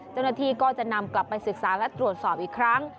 เจ้าหน้าที่ก็จะนำกลับไปศึกษาและตรวจสอบอีกครั้ง